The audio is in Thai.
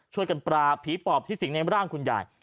ช่วยกันปราบผีปอบที่สิงในร่างคุณยาย